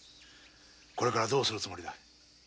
これからどうするつもりだ？